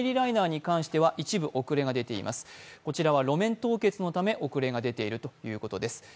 路面凍結のため遅れが出ているということです。